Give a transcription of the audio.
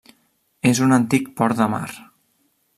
És un antic port de mar.